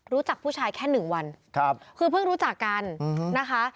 รู้จักผู้ชายแค่หนึ่งวันคือเพิ่งรู้จักกันนะคะ